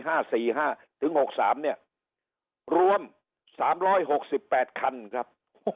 ห้าสี่ห้าถึงหกสามเนี้ยรวมสามร้อยหกสิบแปดคันครับ